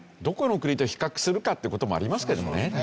どこの国と比較するかっていう事もありますけどね